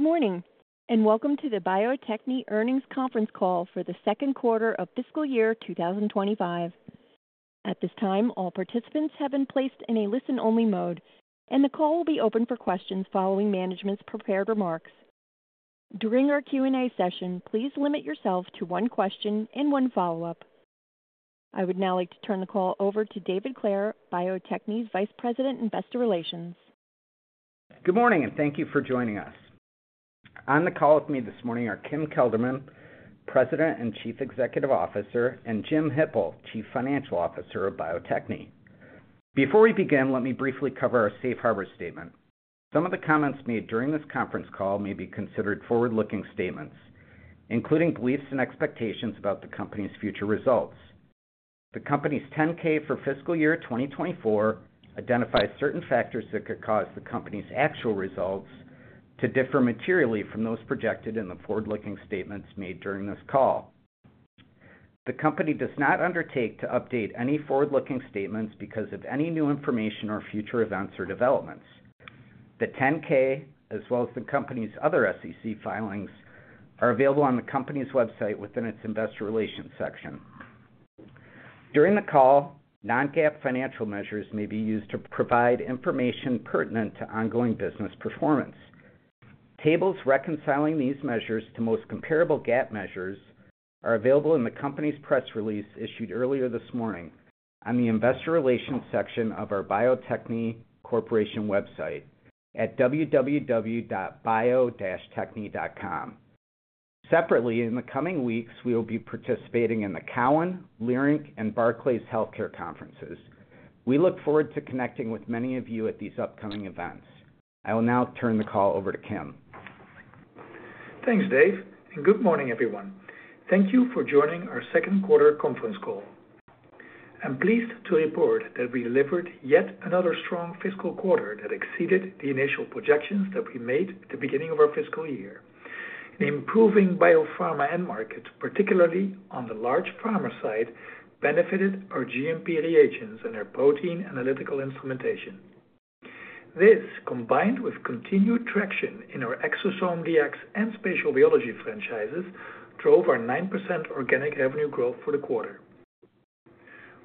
Good morning, and welcome to the Bio-Techne earnings conference call for the Second Quarter of Fiscal Year 2025. At this time, all participants have been placed in a listen-only mode, and the call will be open for questions following management's prepared remarks. During our Q&A session, please limit yourself to one question and one follow-up. I would now like to turn the call over to David Clair, Bio-Techne's Vice President in Business Relations. Good morning, and thank you for joining us. On the call with me this morning are Kim Kelderman, President and Chief Executive Officer, and Jim Hippel, Chief Financial Officer of Bio-Techne. Before we begin, let me briefly cover our safe harbor statement. Some of the comments made during this conference call may be considered forward-looking statements, including beliefs and expectations about the company's future results. The company's 10-K for Fiscal Year 2024 identifies certain factors that could cause the company's actual results to differ materially from those projected in the forward-looking statements made during this call. The company does not undertake to update any forward-looking statements because of any new information or future events or developments. The 10-K, as well as the company's other SEC filings, are available on the company's website within its investor relations section. During the call, non-GAAP financial measures may be used to provide information pertinent to ongoing business performance. Tables reconciling these measures to most comparable GAAP measures are available in the company's press release issued earlier this morning on the investor relations section of our Bio-Techne Corporation website at www.bio-techne.com. Separately, in the coming weeks, we will be participating in the Cowen, Leerink, and Barclays healthcare conferences. We look forward to connecting with many of you at these upcoming events. I will now turn the call over to Kim. Thanks, Dave, and good morning, everyone. Thank you for joining our Q2 conference call. I'm pleased to report that we delivered yet another strong fiscal quarter that exceeded the initial projections that we made at the beginning of our fiscal year. Improving biopharma end market, particularly on the large pharma side, benefited our GMP reagents and our protein analytical instrumentation. This, combined with continued traction in our ExoDx and spatial biology franchises, drove our 9% organic revenue growth for the quarter.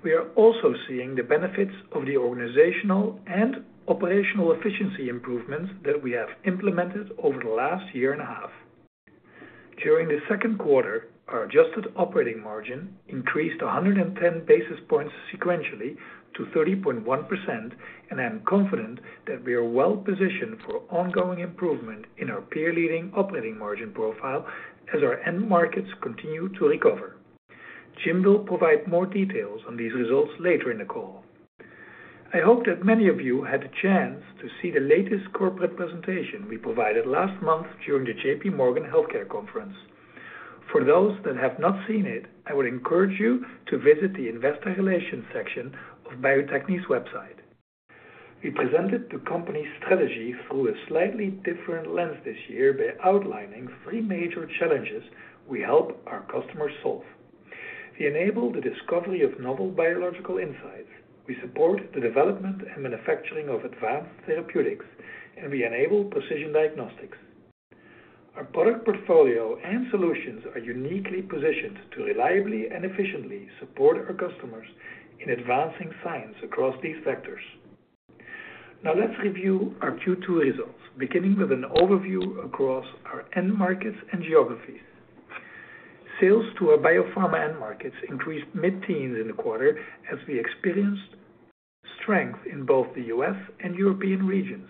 We are also seeing the benefits of the organizational and operational efficiency improvements that we have implemented over the last year and a half. During the second quarter, our adjusted operating margin increased 110 basis points sequentially to 30.1%, and I'm confident that we are well positioned for ongoing improvement in our peer-leading operating margin profile as our end markets continue to recover. Jim will provide more details on these results later in the call. I hope that many of you had the chance to see the latest corporate presentation we provided last month during the JPMorgan Healthcare Conference. For those that have not seen it, I would encourage you to visit the investor relations section of Bio-Techne's website. We presented the company's strategy through a slightly different lens this year by outlining three major challenges we help our customers solve. We enable the discovery of novel biological insights. We support the development and manufacturing of advanced therapeutics, and we enable precision diagnostics. Our product portfolio and solutions are uniquely positioned to reliably and efficiently support our customers in advancing science across these sectors. Now, let's review our Q2 results, beginning with an overview across our end markets and geographies. Sales to our biopharma end markets increased mid-teens in the quarter as we experienced strength in both the U.S. and European regions.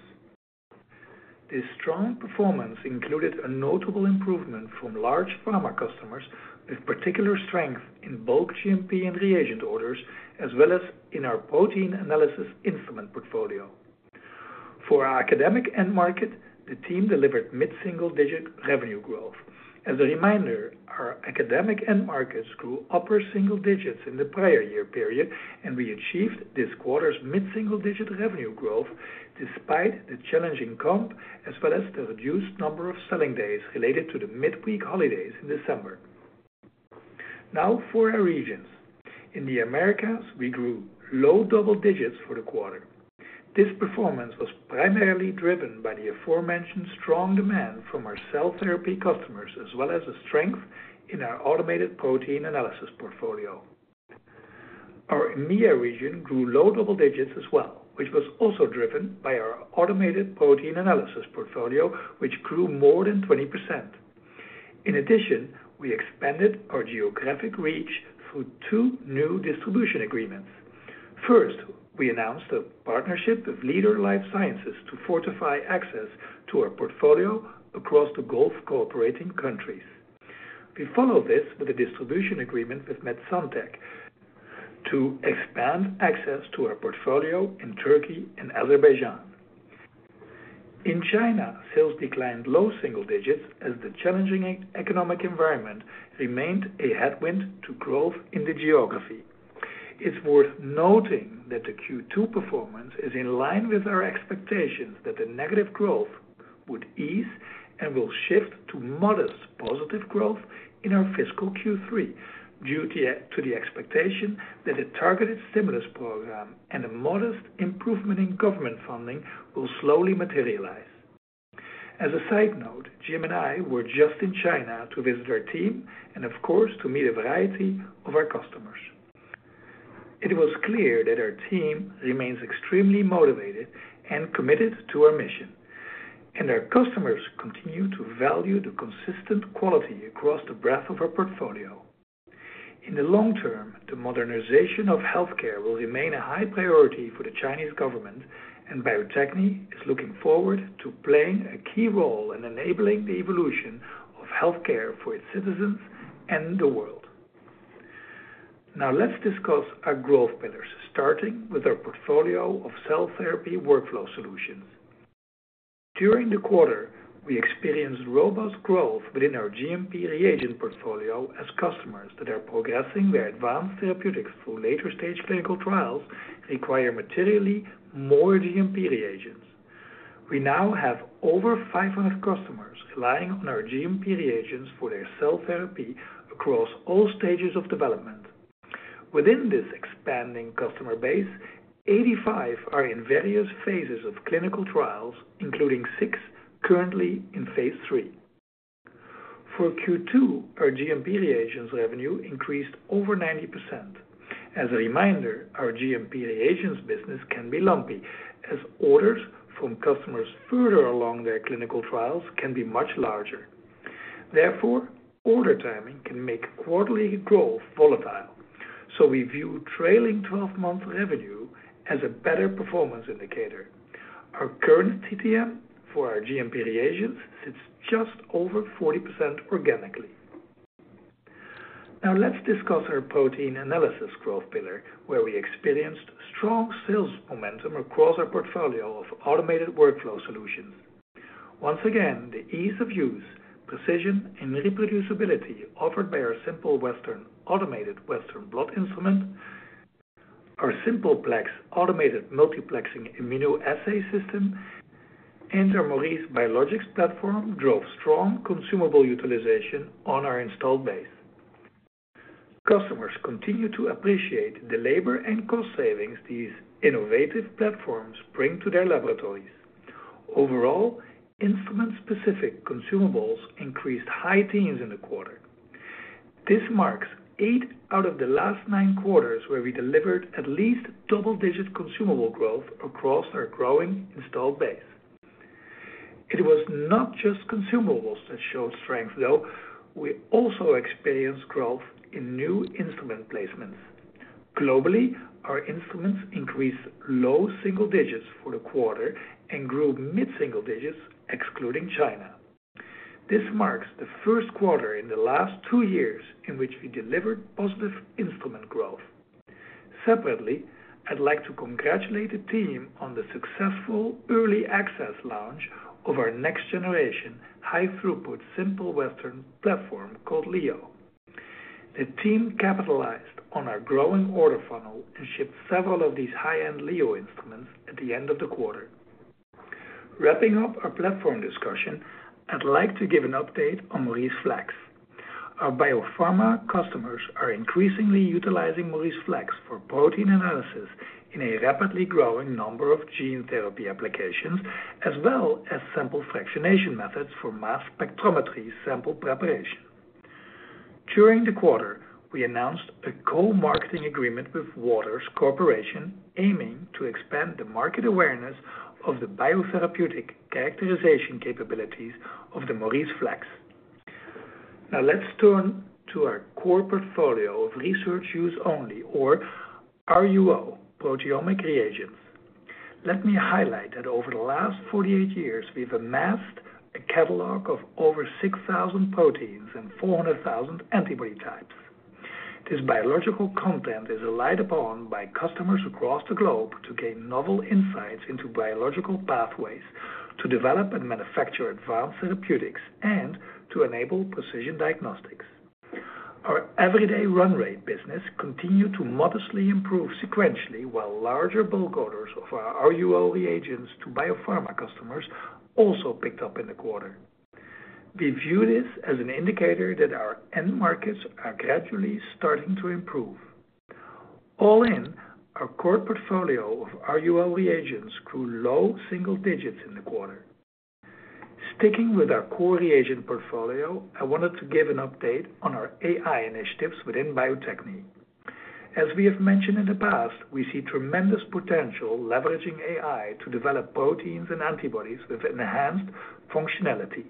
This strong performance included a notable improvement from large pharma customers, with particular strength in bulk GMP and reagent orders, as well as in our protein analysis instrument portfolio. For our academic end market, the team delivered mid-single-digit revenue growth. As a reminder, our academic end markets grew upper single digits in the prior year period, and we achieved this quarter's mid-single-digit revenue growth despite the challenging comp, as well as the reduced number of selling days related to the mid-week holidays in December. Now, for our regions. In the Americas, we grew low double digits for the quarter. This performance was primarily driven by the aforementioned strong demand from our cell therapy customers, as well as the strength in our automated protein analysis portfolio. Our EMEA region grew low double-digits as well, which was also driven by our automated protein analysis portfolio, which grew more than 20%. In addition, we expanded our geographic reach through two new distribution agreements. First, we announced a partnership with Leader Life Sciences to fortify access to our portfolio across the Gulf cooperating countries. We followed this with a distribution agreement with MedSanTek to expand access to our portfolio in Turkey and Azerbaijan. In China, sales declined low single-digits as the challenging economic environment remained a headwind to growth in the geography. It's worth noting that the Q2 performance is in line with our expectations that the negative growth would ease and will shift to modest positive growth in our Fiscal Q3, due to the expectation that a targeted stimulus program and a modest improvement in government funding will slowly materialize. As a side note, Jim and I were just in China to visit our team and, of course, to meet a variety of our customers. It was clear that our team remains extremely motivated and committed to our mission, and our customers continue to value the consistent quality across the breadth of our portfolio. In the long term, the modernization of healthcare will remain a high priority for the Chinese government, and Bio-Techne is looking forward to playing a key role in enabling the evolution of healthcare for its citizens and in the world. Now, let's discuss our growth pillars, starting with our portfolio of cell therapy workflow solutions. During the quarter, we experienced robust growth within our GMP reagent portfolio as customers that are progressing their advanced therapeutics through later-stage clinical trials require materially more GMP reagents. We now have over 500 customers relying on our GMP reagents for their cell therapy across all stages of development. Within this expanding customer base, 85 are in various phases of clinical trials, including six currently in phase III. For Q2, our GMP reagents revenue increased over 90%. As a reminder, our GMP reagents business can be lumpy, as orders from customers further along their clinical trials can be much larger. Therefore, order timing can make quarterly growth volatile, so we view trailing 12-month revenue as a better performance indicator. Our current TTM for our GMP reagents sits just over 40% organically. Now, let's discuss our protein analysis growth pillar, where we experienced strong sales momentum across our portfolio of automated workflow solutions. Once again, the ease of use, precision, and reproducibility offered by our Simple Western Automated Western Blot instrument, our Simple Plex automated multiplexing immunoassay system, and our Maurice Biologics platform drove strong consumable utilization on our installed base. Customers continue to appreciate the labor and cost savings these innovative platforms bring to their laboratories. Overall, instrument-specific consumables increased high teens in the quarter. This marks eight out of the last nine quarters where we delivered at least double-digit consumable growth across our growing installed base. It was not just consumables that showed strength, though. We also experienced growth in new instrument placements. Globally, our instruments increased low single-digits for the quarter and grew mid-single digits, excluding China. This marks the first quarter in the last two years in which we delivered positive instrument growth. Separately, I'd like to congratulate the team on the successful early access launch of our next-generation high-throughput Simple Western platform called Leo. The team capitalized on our growing order funnel and shipped several of these high-end Leo instruments at the end of the quarter. Wrapping up our platform discussion, I'd like to give an update on MauriceFlex. Our biopharma customers are increasingly utilizing MauriceFlex for protein analysis in a rapidly growing number of gene therapy applications, as well as sample fractionation methods for mass spectrometry sample preparation. During the quarter, we announced a co-marketing agreement with Waters Corporation, aiming to expand the market awareness of the biotherapeutic characterization capabilities of the MauriceFlex. Now, let's turn to our core portfolio of research use only, or RUO, proteomic reagents. Let me highlight that over the last 48 years, we've amassed a catalog of over 6,000 proteins and 400,000 antibody types. This biological content is relied upon by customers across the globe to gain novel insights into biological pathways to develop and manufacture advanced therapeutics and to enable precision diagnostics. Our everyday run rate business continued to modestly improve sequentially, while larger bulk orders of our RUO reagents to biopharma customers also picked up in the quarter. We view this as an indicator that our end markets are gradually starting to improve. All in, our core portfolio of RUO reagents grew low single-digits in the quarter. Sticking with our core reagent portfolio, I wanted to give an update on our AI initiatives within Bio-Techne. As we have mentioned in the past, we see tremendous potential leveraging AI to develop proteins and antibodies with enhanced functionality.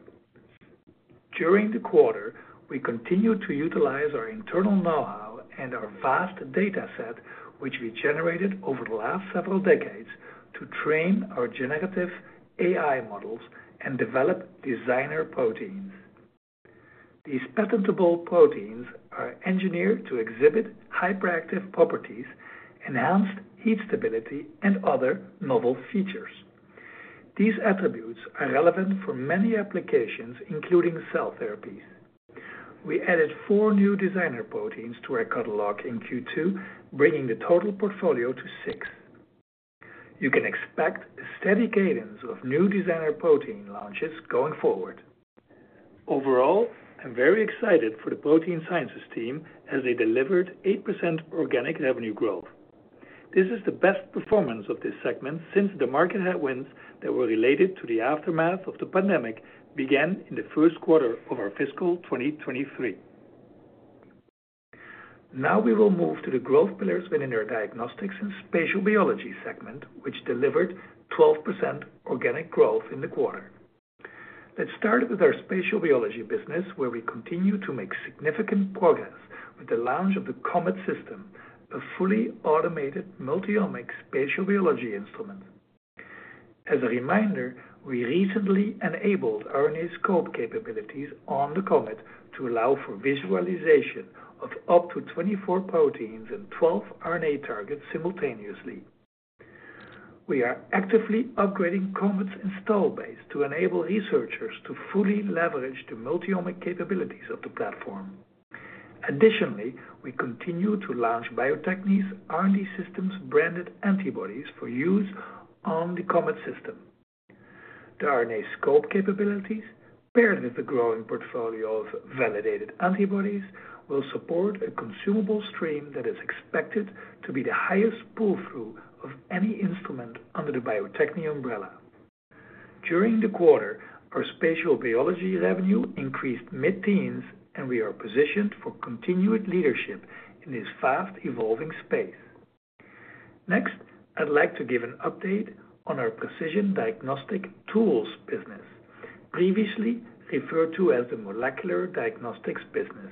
During the quarter, we continue to utilize our internal know-how and our vast data set, which we generated over the last several decades, to train our generative AI models and develop designer proteins. These patentable proteins are engineered to exhibit hyperactive properties, enhanced heat stability, and other novel features. These attributes are relevant for many applications, including cell therapies. We added four new designer proteins to our catalog in Q2, bringing the total portfolio to six. You can expect a steady cadence of new designer protein launches going forward. Overall, I'm very excited for the protein sciences team as they delivered 8% organic revenue growth. This is the best performance of this segment since the market headwinds that were related to the aftermath of the pandemic began in the first quarter of our Fiscal 2023. Now, we will move to the growth pillars within our diagnostics and spatial biology segment, which delivered 12% organic growth in the quarter. Let's start with our spatial biology business, where we continue to make significant progress with the launch of the COMET system, a fully automated multiomic spatial biology instrument. As a reminder, we recently enabled RNAscope capabilities on the COMET to allow for visualization of up to 24 proteins and 12 RNA targets simultaneously. We are actively upgrading COMET's installed base to enable researchers to fully leverage the multiomic capabilities of the platform. Additionally, we continue to launch Bio-Techne's R&D Systems-branded antibodies for use on the COMET system. The RNAscope capabilities, paired with the growing portfolio of validated antibodies, will support a consumable stream that is expected to be the highest pull-through of any instrument under the Bio-Techne umbrella. During the quarter, our spatial biology revenue increased mid-teens, and we are positioned for continued leadership in this fast-evolving space. Next, I'd like to give an update on our precision diagnostic tools business, previously referred to as the molecular diagnostics business.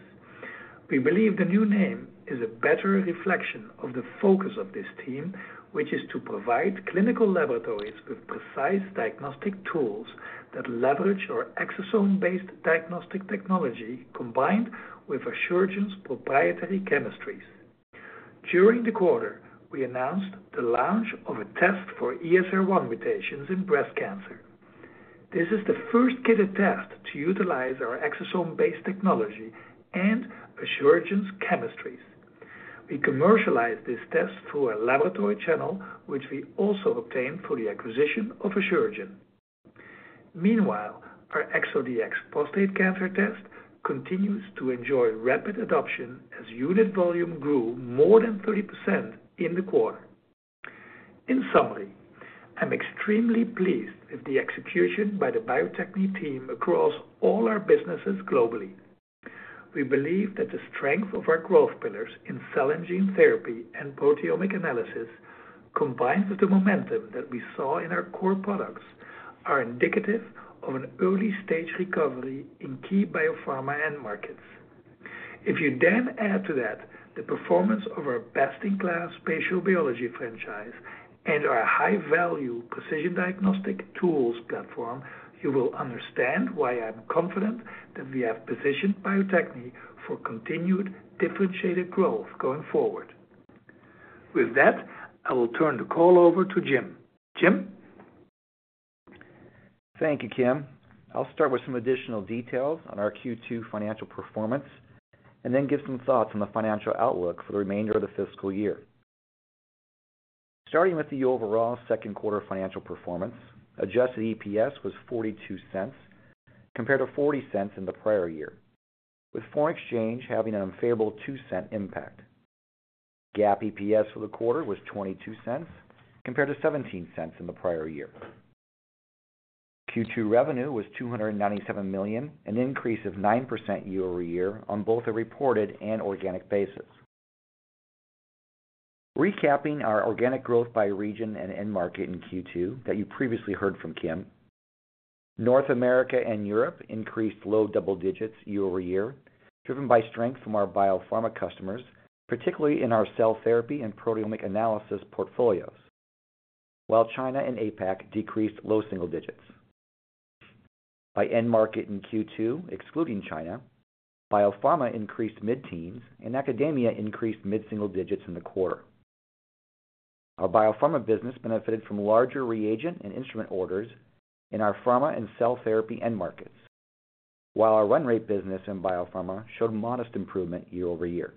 We believe the new name is a better reflection of the focus of this team, which is to provide clinical laboratories with precise diagnostic tools that leverage our exosome-based diagnostic technology combined with Asuragen's proprietary chemistries. During the quarter, we announced the launch of a test for ESR1 mutations in breast cancer. This is the first kit-based test to utilize our exosome-based technology and Asuragen's chemistries. We commercialized this test through a laboratory channel, which we also obtained through the acquisition of Asuragen. Meanwhile, our ExoDx prostate cancer test continues to enjoy rapid adoption as unit volume grew more than 30% in the quarter. In summary, I'm extremely pleased with the execution by the Bio-Techne team across all our businesses globally. We believe that the strength of our growth pillars in cell and gene therapy and proteomic analysis, combined with the momentum that we saw in our core products, are indicative of an early-stage recovery in key biopharma end markets. If you then add to that the performance of our best-in-class spatial biology franchise and our high-value precision diagnostic tools platform, you will understand why I'm confident that we have positioned Bio-Techne for continued differentiated growth going forward. With that, I will turn the call over to Jim. Jim? Thank you, Kim. I'll start with some additional details on our Q2 financial performance and then give some thoughts on the financial outlook for the remainder of the fiscal year. Starting with the overall second quarter financial performance, adjusted EPS was $0.42 compared to $0.40 in the prior year, with foreign exchange having an unfavorable $0.02 impact. GAAP EPS for the quarter was $0.22 compared to $0.17 in the prior year. Q2 revenue was $297 million, an increase of 9% year-over-year on both the reported and organic basis. Recapping our organic growth by region and end market in Q2 that you previously heard from Kim. North America and Europe increased low double digits year-over-year, driven by strength from our biopharma customers, particularly in our cell therapy and proteomic analysis portfolios, while China and APAC decreased low single-digits. By end market in Q2, excluding China, biopharma increased mid-teens, and academia increased mid-single digits in the quarter. Our biopharma business benefited from larger reagent and instrument orders in our pharma and cell therapy end markets, while our run rate business in biopharma showed modest improvement year-over-year.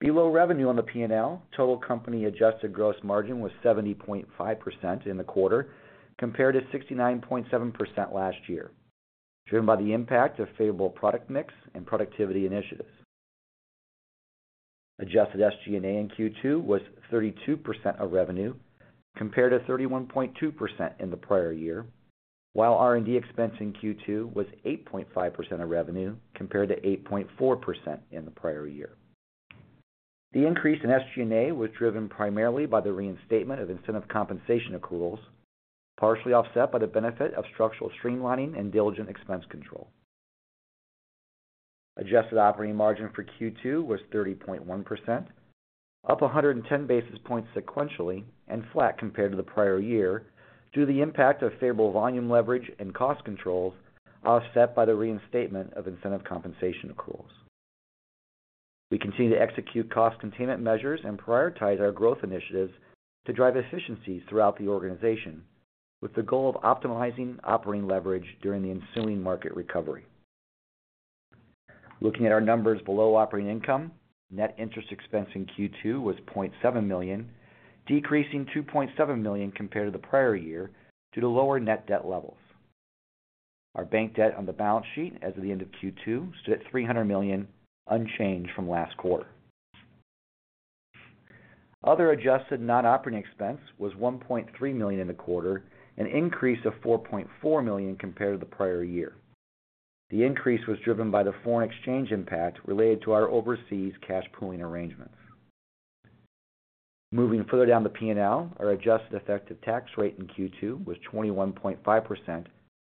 Below revenue on the P&L, total company adjusted gross margin was 70.5% in the quarter compared to 69.7% last year, driven by the impact of favorable product mix and productivity initiatives. Adjusted SG&A in Q2 was 32% of revenue compared to 31.2% in the prior year, while R&D expense in Q2 was 8.5% of revenue compared to 8.4% in the prior year. The increase in SG&A was driven primarily by the reinstatement of incentive compensation accruals, partially offset by the benefit of structural streamlining and diligent expense control. Adjusted operating margin for Q2 was 30.1%, up 110 basis points sequentially and flat compared to the prior year due to the impact of favorable volume leverage and cost controls offset by the reinstatement of incentive compensation accruals. We continue to execute cost containment measures and prioritize our growth initiatives to drive efficiencies throughout the organization, with the goal of optimizing operating leverage during the ensuing market recovery. Looking at our numbers below operating income, net interest expense in Q2 was $0.7 million, decreasing $2.7 million compared to the prior year due to lower net debt levels. Our bank debt on the balance sheet as of the end of Q2 stood at $300 million, unchanged from last quarter. Other adjusted non-operating expense was $1.3 million in the quarter, an increase of $4.4 million compared to the prior year. The increase was driven by the foreign exchange impact related to our overseas cash pooling arrangements. Moving further down the P&L, our adjusted effective tax rate in Q2 was 21.5%,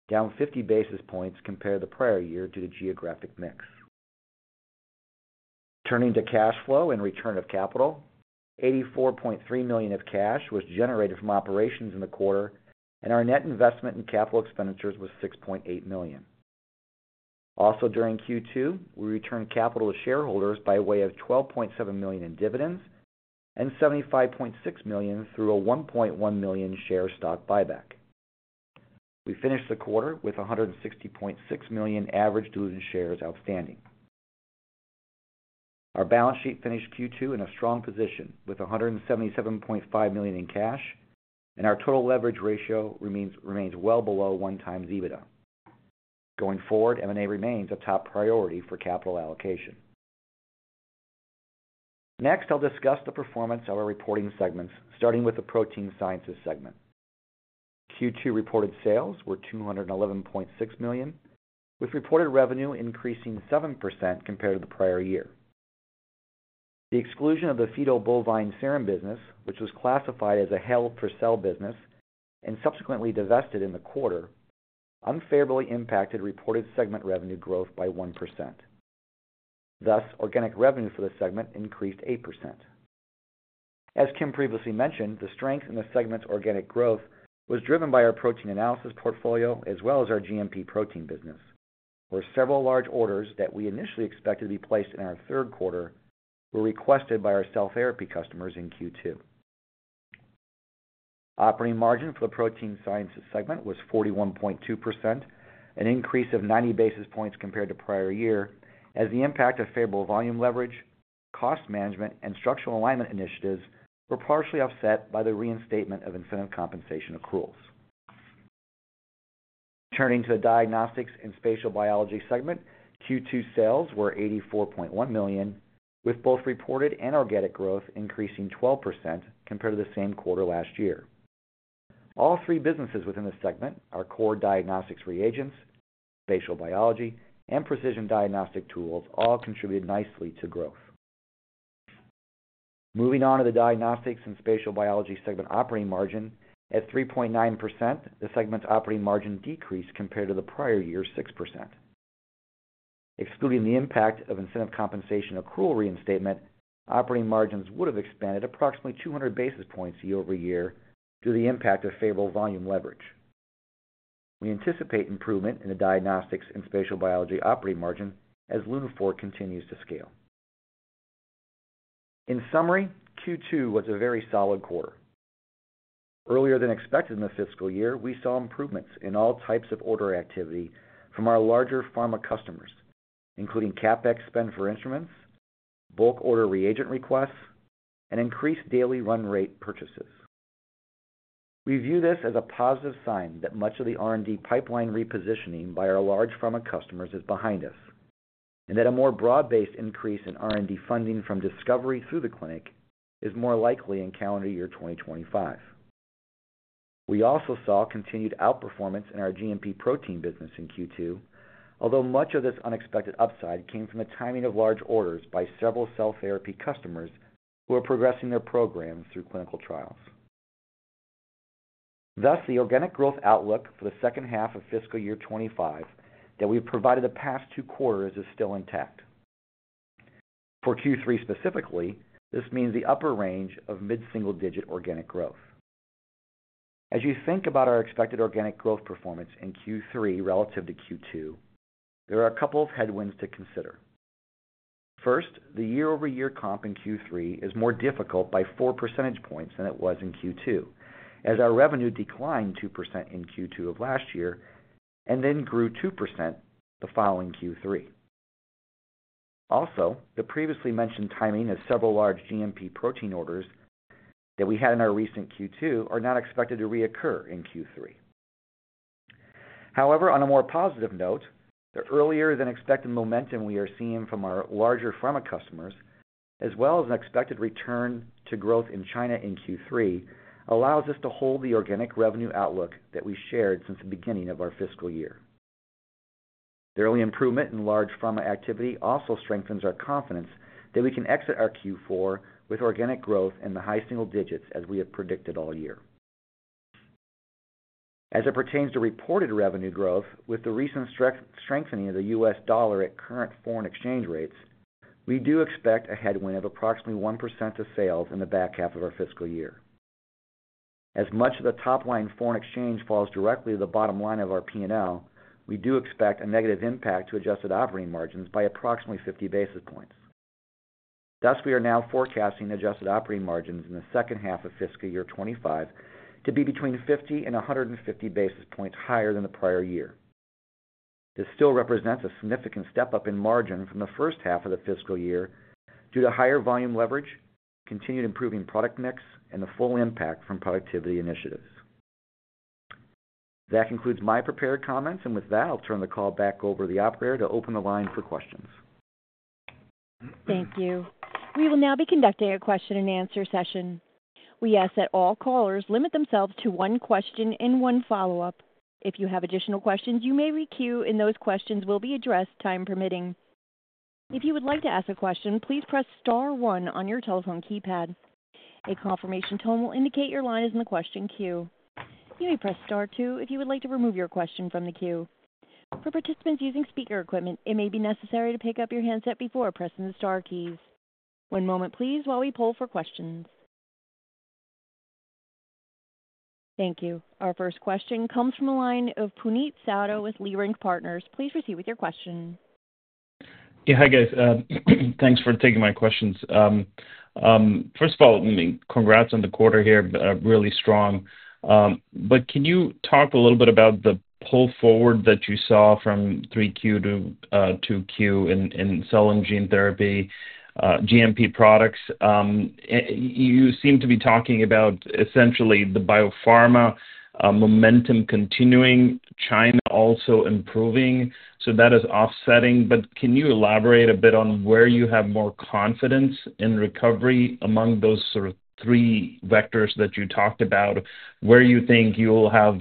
down 50 basis points compared to the prior year due to geographic mix. Turning to cash flow and return of capital, $84.3 million of cash was generated from operations in the quarter, and our net investment in capital expenditures was $6.8 million. Also, during Q2, we returned capital to shareholders by way of $12.7 million in dividends and $75.6 million through the 1.1 million share stock buyback. We finished the quarter with 160.6 million average diluted shares outstanding. Our balance sheet finished Q2 in a strong position with $177.5 million in cash, and our total leverage ratio remains well below 1x EBITDA. Going forward, M&A remains a top priority for capital allocation. Next, I'll discuss the performance of our reporting segments, starting with the protein sciences segment. Q2 reported sales were $211.6 million, with reported revenue increasing 7% compared to the prior year. The exclusion of the fetal bovine serum business, which was classified as a held-for-sale business and subsequently divested in the quarter, unfavorably impacted reported segment revenue growth by 1%. Thus, organic revenue for the segment increased 8%. As Kim previously mentioned, the strength in the segment's organic growth was driven by our protein analysis portfolio as well as our GMP protein business, where several large orders that we initially expected to be placed in our third quarter were requested by our cell therapy customers in Q2. Operating margin for the protein sciences segment was 41.2%, an increase of 90 basis points compared to prior year, as the impact of favorable volume leverage, cost management, and structural alignment initiatives were partially offset by the reinstatement of incentive compensation accruals. Turning to the diagnostics and spatial biology segment, Q2 sales were $84.1 million, with both reported and organic growth increasing 12% compared to the same quarter last year. All three businesses within the segment, our core diagnostics reagents, spatial biology, and precision diagnostic tools, all contributed nicely to growth. Moving on to the diagnostics and spatial biology segment operating margin, at 3.9%, the segment's operating margin decreased compared to the prior year's 6%. Excluding the impact of incentive compensation accrual reinstatement, operating margins would have expanded approximately 200 basis points year-over-year due to the impact of favorable volume leverage. We anticipate improvement in the diagnostics and spatial biology operating margin as Lunaphore continues to scale. In summary, Q2 was a very solid quarter. Earlier than expected in the fiscal year, we saw improvements in all types of order activity from our larger pharma customers, including CapEx spend for instruments, bulk order reagent requests, and increased daily run rate purchases. We view this as a positive sign that much of the R&D pipeline repositioning by our large pharma customers is behind us and that a more broad-based increase in R&D funding from discovery through the clinic is more likely in calendar year 2025. We also saw continued outperformance in our GMP protein business in Q2, although much of this unexpected upside came from the timing of large orders by several cell therapy customers who are progressing their programs through clinical trials. Thus, the organic growth outlook for the second half of Fiscal Year 2025 that we've provided the past two quarters is still intact. For Q3 specifically, this means the upper range of mid-single digit organic growth. As you think about our expected organic growth performance in Q3 relative to Q2, there are a couple of headwinds to consider. First, the year-over-year comp in Q3 is more difficult by four percentage points than it was in Q2, as our revenue declined 2% in Q2 of last year and then grew 2% the following Q3. Also, the previously mentioned timing of several large GMP protein orders that we had in our recent Q2 are not expected to reoccur in Q3. However, on a more positive note, the earlier-than-expected momentum we are seeing from our larger pharma customers, as well as an expected return to growth in China in Q3, allows us to hold the organic revenue outlook that we shared since the beginning of our fiscal year. The early improvement in large pharma activity also strengthens our confidence that we can exit our Q4 with organic growth in the high single digits as we have predicted all year. As it pertains to reported revenue growth, with the recent strengthening of the U.S. dollar at current foreign exchange rates, we do expect a headwind of approximately 1% of sales in the back half of our fiscal year. As much of the top-line foreign exchange falls directly to the bottom line of our P&L, we do expect a negative impact to adjusted operating margins by approximately 50 basis points. Thus, we are now forecasting adjusted operating margins in the second half of Fiscal Year 2025 to be between 50 and 150 basis points higher than the prior year. This still represents a significant step up in margin from the first half of the fiscal year due to higher volume leverage, continued improving product mix, and the full impact from productivity initiatives. That concludes my prepared comments, and with that, I'll turn the call back over to the operator to open the line for questions. Thank you. We will now be conducting a question-and-answer session. We ask that all callers limit themselves to one question and one follow-up. If you have additional questions, you may re-queue, and those questions will be addressed time permitting. If you would like to ask a question, please press star one on your telephone keypad. A confirmation tone will indicate your line is in the question queue. You may press star two if you would like to remove your question from the queue. For participants using speaker equipment, it may be necessary to pick up your handset before pressing the star keys. One moment, please, while we pull for questions. Thank you. Our first question comes from a line of Puneet Souda with Leerink Partners. Please proceed with your question. Yeah, hi guys. Thanks for taking my questions. First of all, congrats on the quarter here, really strong. But can you talk a little bit about the pull forward that you saw from 3Q to 2Q in cell and gene therapy, GMP products? You seem to be talking about essentially the biopharma momentum continuing, China also improving, so that is offsetting. But can you elaborate a bit on where you have more confidence in recovery among those sort of three vectors that you talked about, where you think you'll have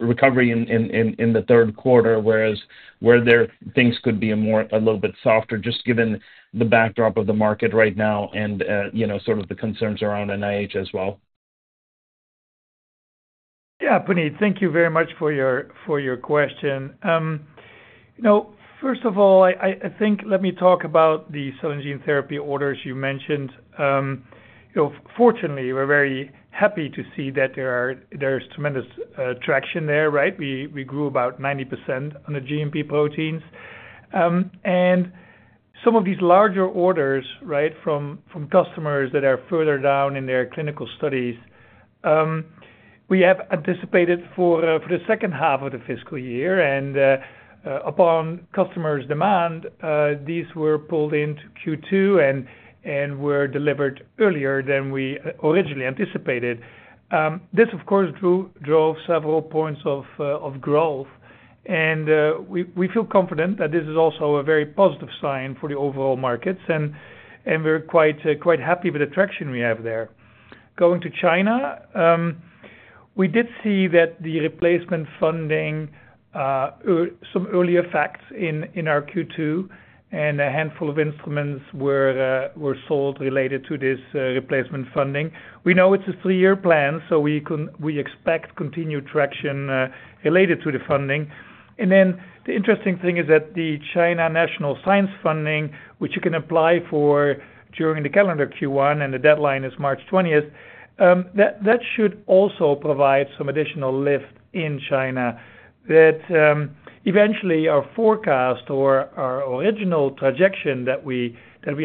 recovery in the third quarter, whereas where things could be a little bit softer just given the backdrop of the market right now and sort of the concerns around NIH as well? Yeah, Puneet, thank you very much for your question. First of all, I think let me talk about the cell and gene therapy orders you mentioned. Fortunately, we're very happy to see that there's tremendous traction there, right? We grew about 90% on the GMP proteins. And some of these larger orders from customers that are further down in their clinical studies, we have anticipated for the second half of the fiscal year. Upon customers' demand, these were pulled into Q2 and were delivered earlier than we originally anticipated. This, of course, drove several points of growth. We feel confident that this is also a very positive sign for the overall markets, and we're quite happy with the traction we have there. Going to China, we did see that the replacement funding, some earlier impacts in our Q2, and a handful of instruments were sold related to this replacement funding. We know it's a three-year plan, so we expect continued traction related to the funding. And then the interesting thing is that the China National Science Funding, which you can apply for during the calendar Q1, and the deadline is March 20th, that should also provide some additional lift in China that eventually our forecast or our original trajectory that we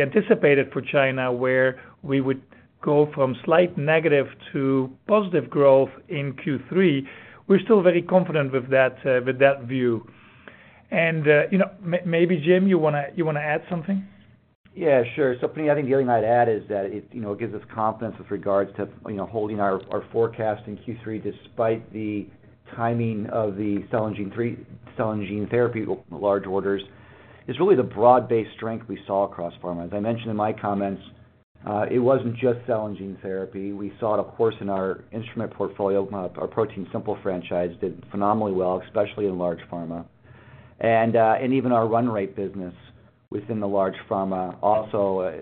anticipated for China, where we would go from slight negative to positive growth in Q3. We're still very confident with that view. And maybe, Jim, you want to add something? Yeah, sure. So Puneet, I think the only thing I'd add is that it gives us confidence with regards to holding our forecast in Q3 despite the timing of the cell and gene therapy large orders. It's really the broad-based strength we saw across pharma. As I mentioned in my comments, it wasn't just cell and gene therapy. We saw it, of course, in our instrument portfolio. Our ProteinSimple franchise did phenomenally well, especially in large pharma, and even our run rate business within the large pharma also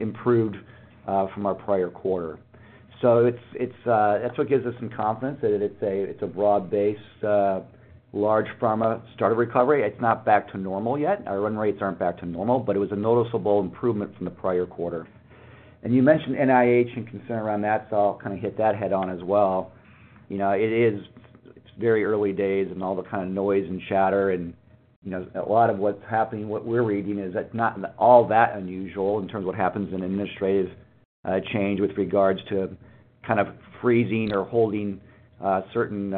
improved from our prior quarter. So that's what gives us some confidence that it's a broad-based large pharma start of recovery. It's not back to normal yet. Our run rates aren't back to normal, but it was a noticeable improvement from the prior quarter, and you mentioned NIH and concern around that, so I'll kind of hit that head on as well. It's very early days and all the kind of noise and chatter, and a lot of what's happening, what we're reading, is that not all that unusual in terms of what happens in administrative change with regards to kind of freezing or holding certain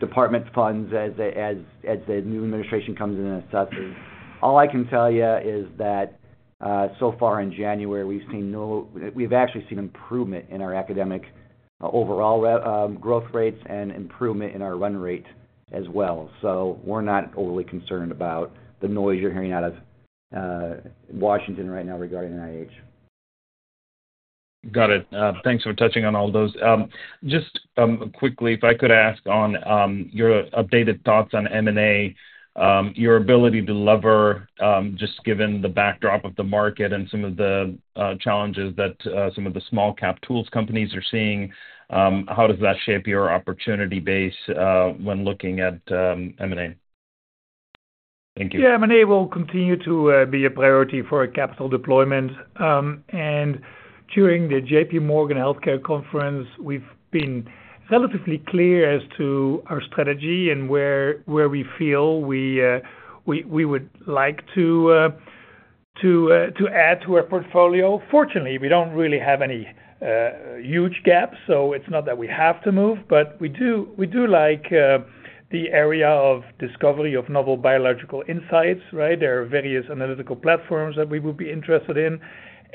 department funds as the new administration comes in and assesses. All I can tell you is that so far in January, we've actually seen improvement in our academic overall growth rates and improvement in our run rate as well. So we're not overly concerned about the noise you're hearing out of Washington right now regarding NIH. Got it. Thanks for touching on all those. Just quickly, if I could ask on your updated thoughts on M&A, your ability to leverage just given the backdrop of the market and some of the challenges that some of the small-cap tools companies are seeing, how does that shape your opportunity base when looking at M&A? Thank you. Yeah, M&A will continue to be a priority for capital deployment. And during the JPMorgan Healthcare Conference, we've been relatively clear as to our strategy and where we feel we would like to add to our portfolio. Fortunately, we don't really have any huge gaps, so it's not that we have to move, but we do like the area of discovery of novel biological insights, right? There are various analytical platforms that we would be interested in.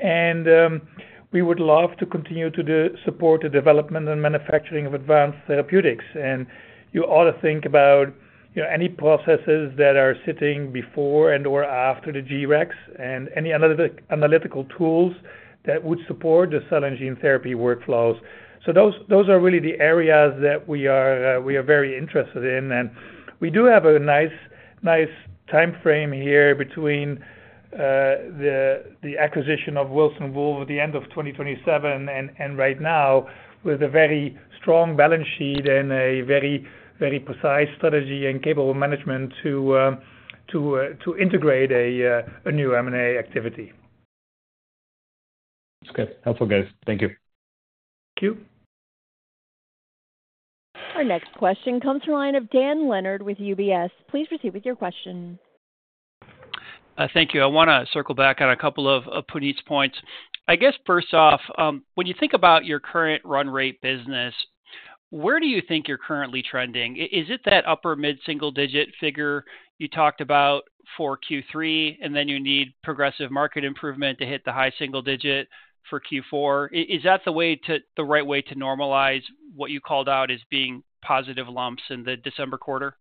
And we would love to continue to support the development and manufacturing of advanced therapeutics. And you ought to think about any processes that are sitting before and/or after the G-Rex and any analytical tools that would support the cell and gene therapy workflows. So those are really the areas that we are very interested in. And we do have a nice time frame here between the acquisition of Wilson Wolf at the end of 2027 and right now with a very strong balance sheet and a very precise strategy and capable management to integrate a new M&A activity. That's good. Helpful, guys. Thank you. Thank you. Our next question comes from the line of Dan Leonard with UBS. Please proceed with your question. Thank you. I want to circle back on a couple of Puneet's points. First off, when you think about your current run rate business, where do you think you're currently trending? Is it that upper mid-single digit figure you talked about for Q3, and then you need progressive market improvement to hit the high single digit for Q4? Is that the right way to normalize what you called out as being positive lumps in the December quarter?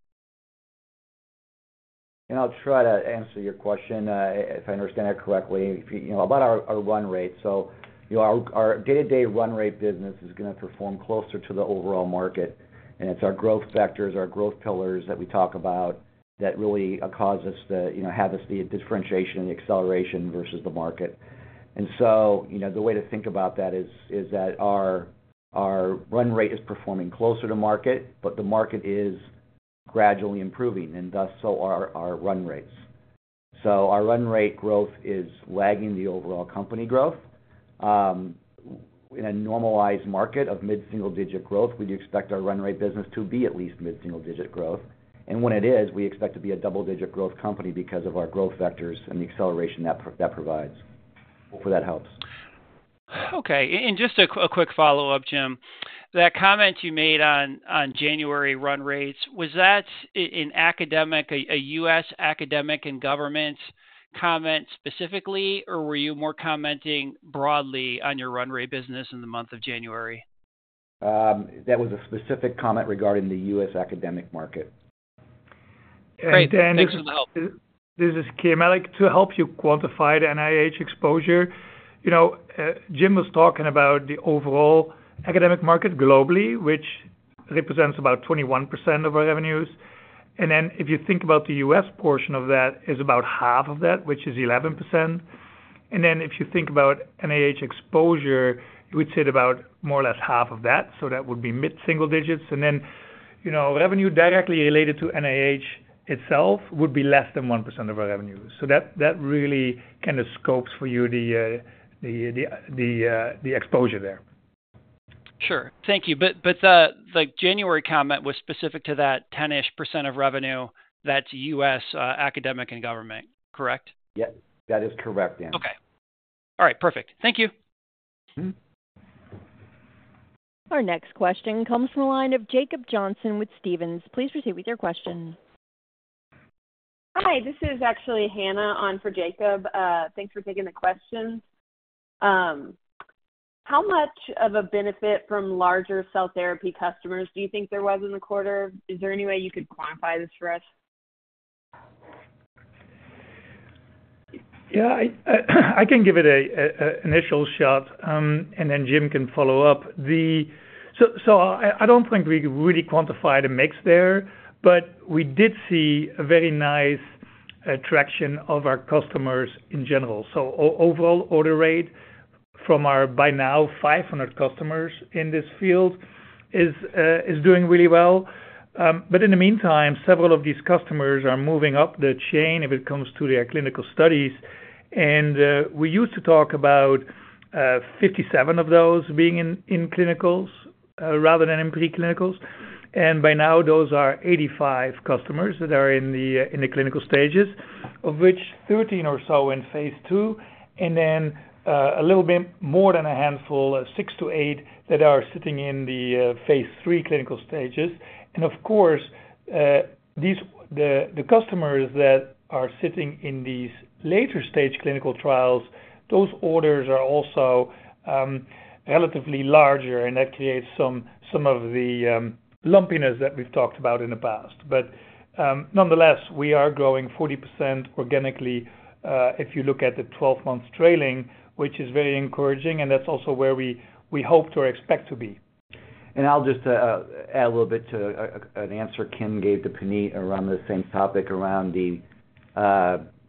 I'll try to answer your question, if I understand it correctly, about our run rate. So our day-to-day run rate business is going to perform closer to the overall market. It's our growth factors, our growth pillars that we talk about that really cause us to have the differentiation and the acceleration versus the market. And so the way to think about that is that our run rate is performing closer to market, but the market is gradually improving, and thus so are our run rates. So our run rate growth is lagging the overall company growth. In a normalized market of mid-single digit growth, we'd expect our run rate business to be at least mid-single digit growth. And when it is, we expect to be a double-digit growth company because of our growth vectors and the acceleration that provides. Hopefully, that helps. Okay. And just a quick follow-up, Jim. That comment you made on January run rates, was that a U.S. academic and government comment specifically, or were you more commenting broadly on your run rate business in the month of January? That was a specific comment regarding the U.S. academic market. Thanks for the help. Dan, this is Kim. I'd like to help you quantify the NIH exposure. Jim was talking about the overall academic market globally, which represents about 21% of our revenues. And then if you think about the U.S. portion of that, it's about half of that, which is 11%. And then if you think about NIH exposure, it would sit about more or less half of that, so that would be mid-single digits. And then revenue directly related to NIH itself would be less than 1% of our revenue. So that really kind of scopes for you the exposure there. Sure. Thank you. But the January comment was specific to that 10-ish% of revenue. That's U.S. academic and government, correct? Yep. That is correct, Dan. Okay. All right. Perfect. Thank you. Our next question comes from the line of Jacob Johnson with Stephens. Please proceed with your question. Hi. This is actually Hannah on for Jacob. Thanks for taking the question. How much of a benefit from larger cell therapy customers do you think there was in the quarter? Is there any way you could quantify this for us? Yeah. I can give it an initial shot, and then Jim can follow up. So I don't think we really quantified a mix there, but we did see a very nice traction of our customers in general. So overall order rate from our by now 500 customers in this field is doing really well. But in the meantime, several of these customers are moving up the chain if it comes to their clinical studies. And we used to talk about 57 of those being in clinicals rather than in preclinicals. And by now, those are 85 customers that are in the clinical stages, of which 13 or so in phase II, and then a little bit more than a handful, six to eight, that are sitting in the phase III clinical stages. And of course, the customers that are sitting in these later-stage clinical trials, those orders are also relatively larger, and that creates some of the lumpiness that we've talked about in the past. But nonetheless, we are growing 40% organically if you look at the 12-month trailing, which is very encouraging, and that's also where we hoped or expect to be. I'll just add a little bit to an answer Kim gave to Puneet around the same topic around the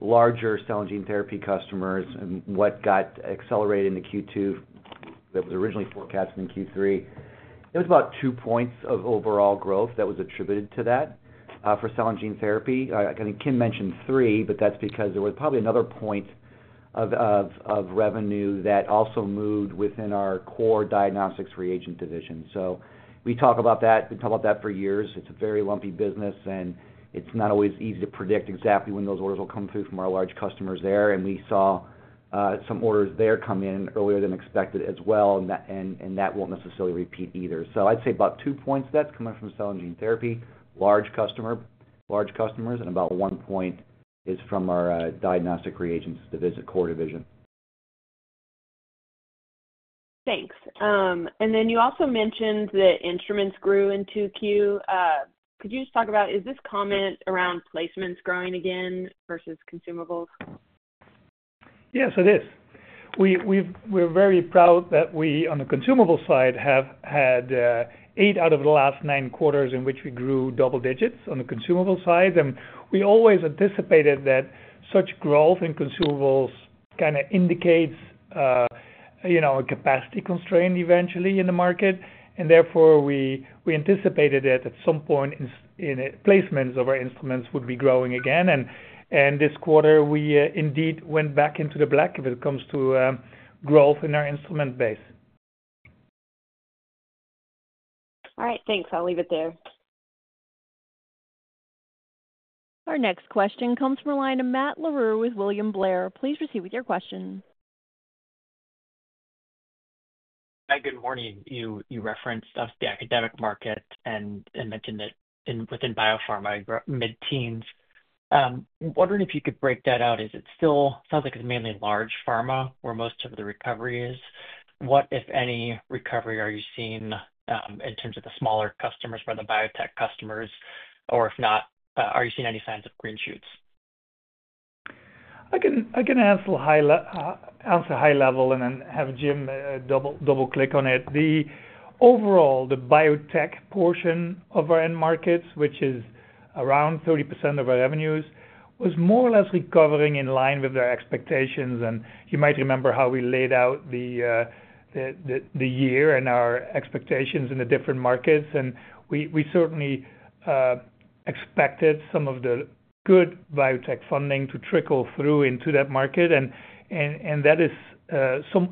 larger cell and gene therapy customers and what got accelerated in the Q2 that was originally forecasted in Q3. There was about two points of overall growth that was attributed to that for cell and gene therapy. I think Kim mentioned three, but that's because there was probably another point of revenue that also moved within our core diagnostics reagent division. So we talk about that. We've talked about that for years. It's a very lumpy business, and it's not always easy to predict exactly when those orders will come through from our large customers there. We saw some orders there come in earlier than expected as well, and that won't necessarily repeat either. So I'd say about two points that's coming from cell and gene therapy, large customers, and about one point is from our diagnostic reagents division, core division. Thanks. And then you also mentioned that instruments grew in Q2. Could you just talk about is this comment around placements growing again versus consumables? Yes, it is. We're very proud that we, on the consumable side, have had eight out of the last nine quarters in which we grew double digits on the consumable side. And we always anticipated that such growth in consumables kind of indicates a capacity constraint eventually in the market. And therefore, we anticipated that at some point, placements of our instruments would be growing again. And this quarter, we indeed went back into the black if it comes to growth in our instrument base. All right. Thanks. I'll leave it there. Our next question comes from the line of Matt Larew with William Blair. Please proceed with your question. Hi. Good morning. You referenced the academic market and mentioned that within biopharma, mid-teens. I'm wondering if you could break that out. It sounds like it's mainly large pharma where most of the recovery is. What, if any, recovery are you seeing in terms of the smaller customers for the biotech customers? Or if not, are you seeing any signs of green shoots? I can answer high level and then have Jim double-click on it. Overall, the biotech portion of our end markets, which is around 30% of our revenues, was more or less recovering in line with our expectations. You might remember how we laid out the year and our expectations in the different markets. And we certainly expected some of the good biotech funding to trickle through into that market. And that is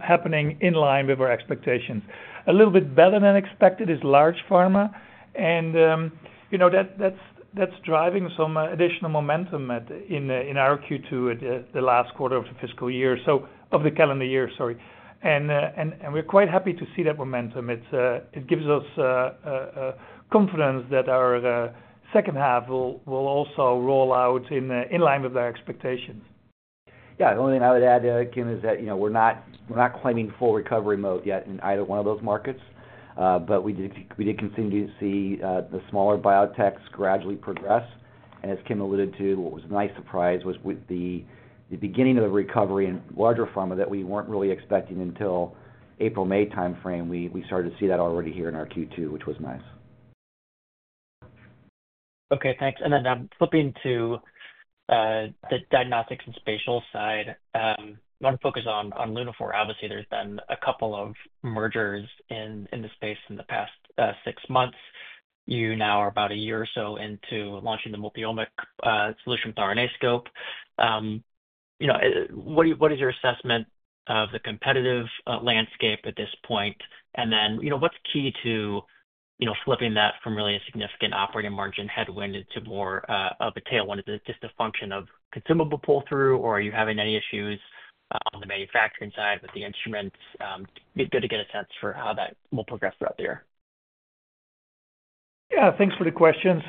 happening in line with our expectations. A little bit better than expected is large pharma. And that's driving some additional momentum in our Q2, the last quarter of the fiscal year so, of the calendar year, sorry. And we're quite happy to see that momentum. It gives us confidence that our second half will also roll out in line with our expectations. Yeah. The only thing I would add, Kim, is that we're not claiming full recovery mode yet in either one of those markets. But we did continue to see the smaller biotechs gradually progress. And as Kim alluded to, what was a nice surprise was with the beginning of the recovery in larger pharma that we weren't really expecting until April, May timeframe. We started to see that already here in our Q2, which was nice. Okay. Thanks. And then flipping to the diagnostics and spatial side, I want to focus on Lunaphore. Obviously, there's been a couple of mergers in the space in the past six months. You now are about a year or so into launching the multi-omic solution with RNAscope. What is your assessment of the competitive landscape at this point? And then what's key to flipping that from really a significant operating margin headwind into more of a tailwind? Is it just a function of consumable pull-through, or are you having any issues on the manufacturing side with the instruments? Good to get a sense for how that will progress throughout the year. Yeah. Thanks for the question.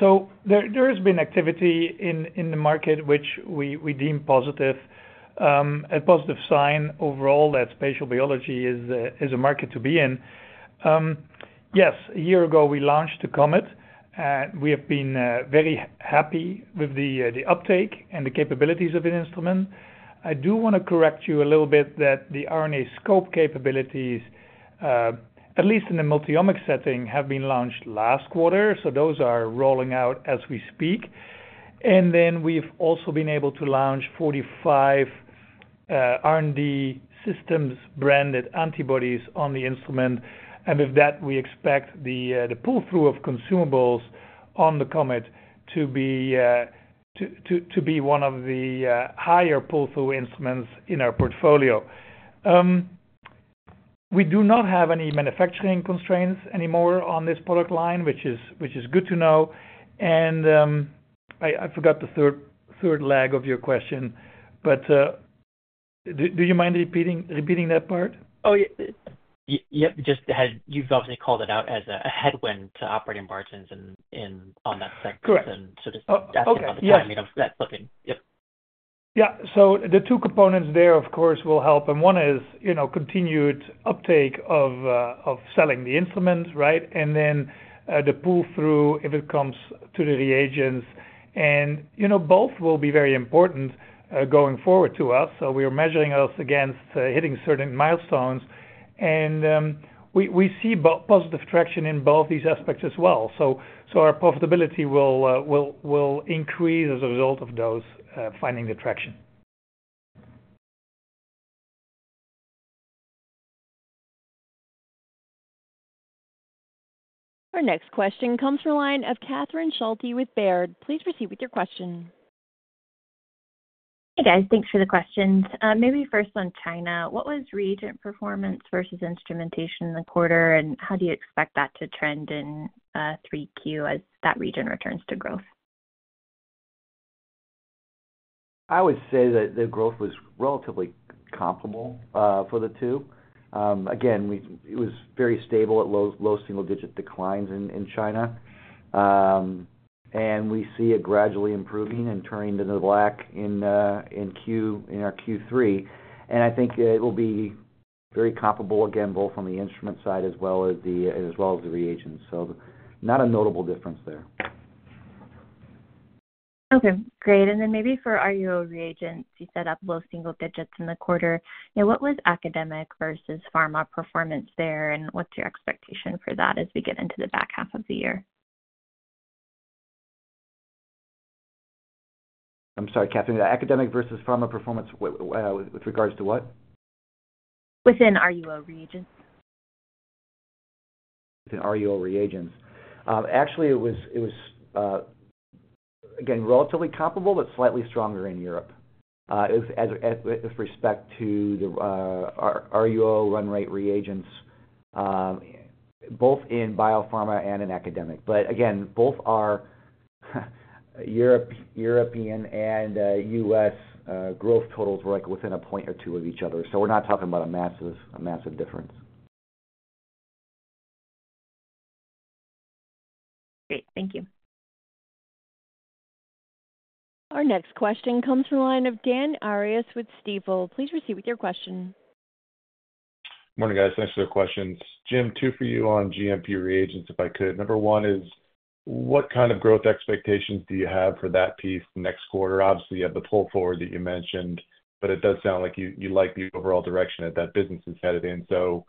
There has been activity in the market, which we deem positive, a positive sign overall that spatial biology is a market to be in. Yes. A year ago, we launched the COMET. We have been very happy with the uptake and the capabilities of the instrument. I do want to correct you a little bit that the RNAscope capabilities, at least in the multiomic setting, have been launched last quarter. So those are rolling out as we speak. And then we've also been able to launch 45 R&D Systems-branded antibodies on the instrument. And with that, we expect the pull-through of consumables on the COMET to be one of the higher pull-through instruments in our portfolio. We do not have any manufacturing constraints anymore on this product line, which is good to know. And I forgot the third leg of your question, but do you mind repeating that part? Oh, yeah. You've obviously called it out as a headwind to operating margins on that segment. Correct. Oh, okay. Yes. That's fine. Yeah. So the two components there, of course, will help. And one is continued uptake of selling the instrument, right, and then the pull-through if it comes to the reagents. And both will be very important going forward to us. So we are measuring us against hitting certain milestones. And we see positive traction in both these aspects as well. So our profitability will increase as a result of those finding the traction. Our next question comes from the line of Catherine Schulte with Baird. Please proceed with your question. Hey, guys. Thanks for the questions. Maybe first on China. What was reagent performance versus instrumentation in the quarter, and how do you expect that to trend in 3Q as that region returns to growth? I would say that the growth was relatively comparable for the two. Again, it was very stable at low single-digit declines in China. And we see it gradually improving and turning to the black in our Q3. And I think it will be very comparable, again, both on the instrument side as well as the reagents. So not a notable difference there. Okay. Great. And then maybe for RUO reagents, you said up low single-digits in the quarter. What was academic versus pharma performance there, and what's your expectation for that as we get into the back half of the year? I'm sorry, Catherine. Academic versus pharma performance with regards to what? Within RUO reagents. Within RUO reagents. Actually, it was, again, relatively comparable, but slightly stronger in Europe with respect to the RUO run rate reagents, both in biopharma and in academic. But again, both our European and U.S. growth totals were within a point or two of each other. So we're not talking about a massive difference. Great. Thank you. Our next question comes from the line of Dan Arias with Stifel. Please proceed with your question. Morning, guys. Thanks for the questions. Jim, two for you on GMP reagents, if I could. Number one is, what kind of growth expectations do you have for that piece next quarter? Obviously, you have the pull-through that you mentioned, but it does sound like you like the overall direction that that business is headed in. So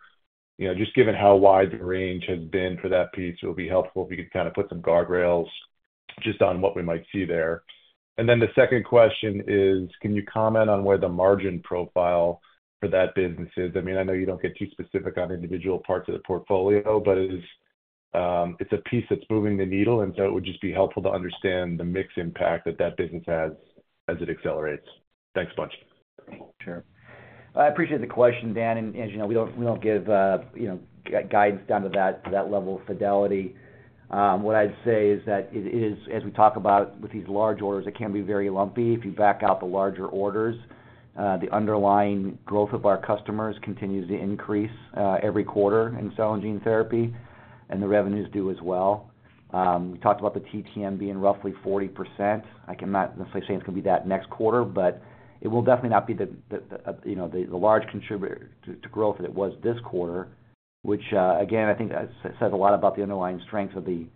just given how wide the range has been for that piece, it will be helpful if you could kind of put some guardrails just on what we might see there. And then the second question is, can you comment on where the margin profile for that business is? I mean, I know you don't get too specific on individual parts of the portfolio, but it's a piece that's moving the needle. And so it would just be helpful to understand the mix impact that that business has as it accelerates. Thanks a bunch. Sure. I appreciate the question, Dan. And as you know, we don't give guidance down to that level of fidelity. What I'd say is that it is, as we talk about with these large orders, it can be very lumpy. If you back out the larger orders, the underlying growth of our customers continues to increase every quarter in cell and gene therapy, and the revenues do as well. We talked about the TTM being roughly 40%. I cannot necessarily say it's going to be that next quarter, but it will definitely not be the large contributor to growth that it was this quarter, which, again, I think says a lot about the underlying strength of the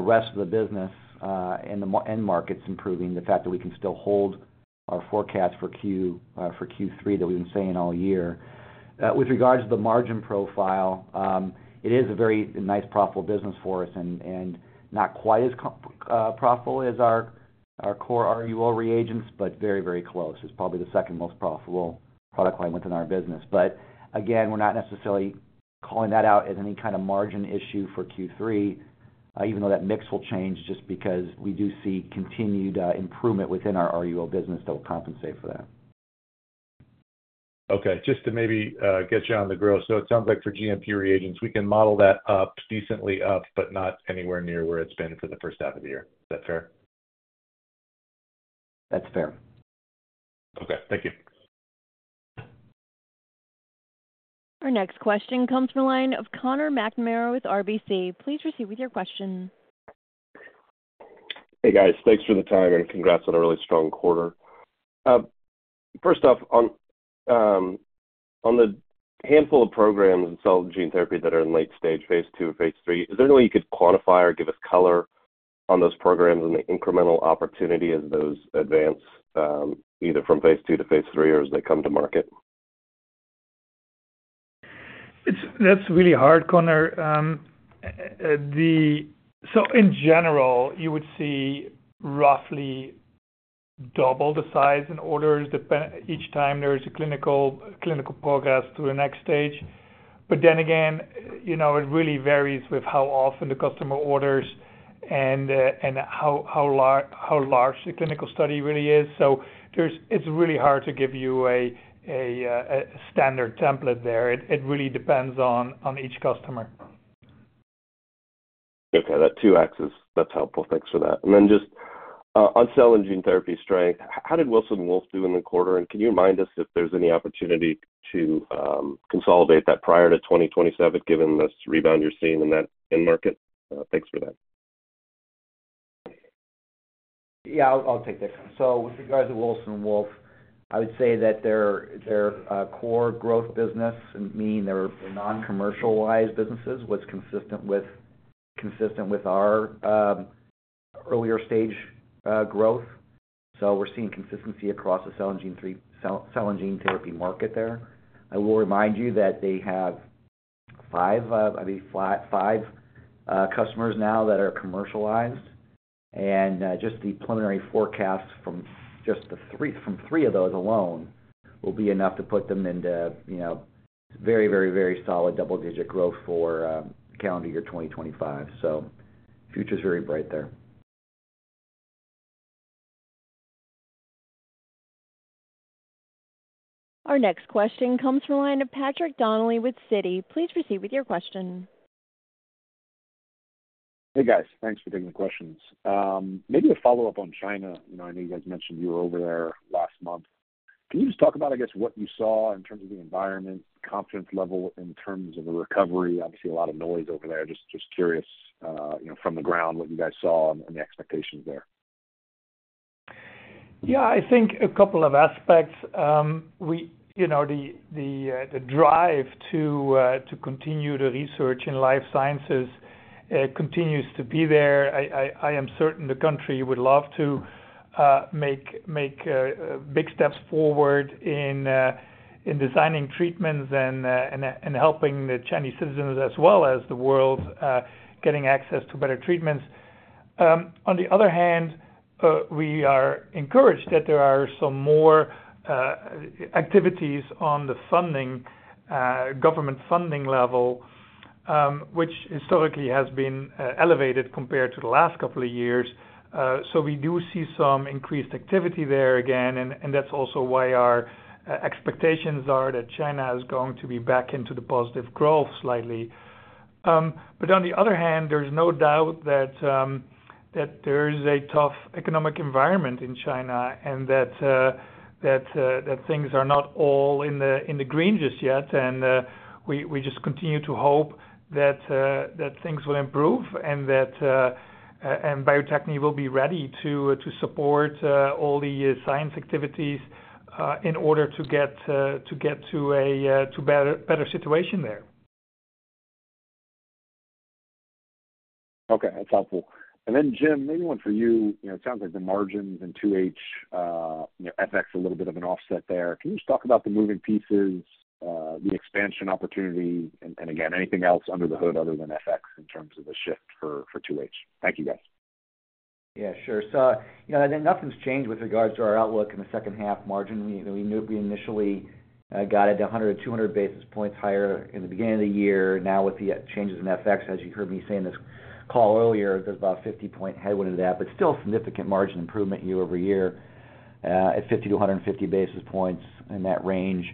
rest of the business and the end markets improving, the fact that we can still hold our forecast for Q3 that we've been saying all year. With regards to the margin profile, it is a very nice, profitable business for us and not quite as profitable as our core RUO reagents, but very, very close. It's probably the second most profitable product line within our business. But again, we're not necessarily calling that out as any kind of margin issue for Q3, even though that mix will change just because we do see continued improvement within our RUO business that will compensate for that. Okay. Just to maybe get you on the growth. So it sounds like for GMP reagents, we can model that up decently up, but not anywhere near where it's been for the first half of the year. Is that fair? That's fair. Okay. Thank you. Our next question comes from the line of Conor McNamara with RBC. Please proceed with your question. Hey, guys. Thanks for the time, and congrats on a really strong quarter. First off, on the handful of programs in cell and gene therapy that are in late stage, phase II, phase III, is there any way you could quantify or give us color on those programs and the incremental opportunity as those advance either from phase II to phase III as they come to market? That's really hard, Connor. So in general, you would see roughly double the size in orders each time there is a clinical progress to the next stage. But then again, it really varies with how often the customer orders and how large the clinical study really is. So it's really hard to give you a standard template there. It really depends on each customer. Okay. That two x's, that's helpful. Thanks for that. And then just on cell and gene therapy strength, how did Wilson Wolf do in the quarter? Can you remind us if there's any opportunity to consolidate that prior to 2027, given this rebound you're seeing in that end market? Thanks for that. Yeah. I'll take that. So with regards to Wilson Wolf, I would say that their core growth business, meaning their non-commercialized businesses, was consistent with our earlier stage growth. So we're seeing consistency across the cell and gene therapy market there. I will remind you that they have five customers now that are commercialized. And just the preliminary forecast from three of those alone will be enough to put them into very, very, very solid double-digit growth for calendar year 2025. So the future is very bright there. Our next question comes from the line of Patrick Donnelly with Citi. Please proceed with your question. Hey, guys. Thanks for taking the questions. Maybe a follow-up on China. I know you guys mentioned you were over there last month. Can you just talk about, I guess, what you saw in terms of the environment, confidence level in terms of the recovery? Obviously, a lot of noise over there. Just curious from the ground what you guys saw and the expectations there. Yeah. I think a couple of aspects. The drive to continue the research in life sciences continues to be there. I am certain the country would love to make big steps forward in designing treatments and helping the Chinese citizens as well as the world getting access to better treatments. On the other hand, we are encouraged that there are some more activities on the government funding level, which historically has been elevated compared to the last couple of years. So we do see some increased activity there again. That's also why our expectations are that China is going to be back into the positive growth slightly. On the other hand, there's no doubt that there is a tough economic environment in China and that things are not all in the green just yet. We just continue to hope that things will improve and biotech will be ready to support all the science activities in order to get to a better situation there. Okay. That's helpful. Jim, maybe one for you. It sounds like the margins in 2H, FX, a little bit of an offset there. Can you just talk about the moving pieces, the expansion opportunity, and again, anything else under the hood other than FX in terms of the shift for 2H? Thank you, guys. Yeah. Sure. Nothing's changed with regards to our outlook in the second half margin. We initially got it to 100 to 200 basis points higher in the beginning of the year. Now, with the changes in FX, as you heard me say in this call earlier, there's about a 50-point headwind to that, but still significant margin improvement year over year at 50-150 basis points in that range.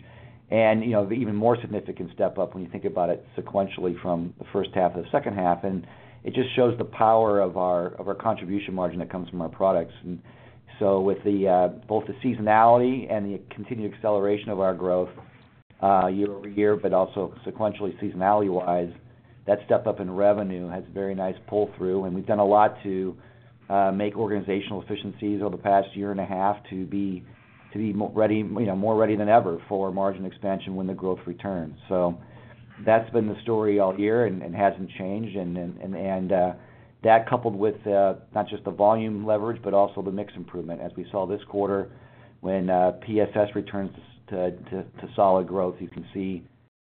And even more significant step up when you think about it sequentially from the first half of the second half. And it just shows the power of our contribution margin that comes from our products. And so with both the seasonality and the continued acceleration of our growth year-over-year, but also sequentially seasonality-wise, that step up in revenue has very nice pull-through. And we've done a lot to make organizational efficiencies over the past year and a half to be more ready than ever for margin expansion when the growth returns. So that's been the story all year and hasn't changed. And that coupled with not just the volume leverage, but also the mix improvement. As we saw this quarter when PSS returns to solid growth, you can see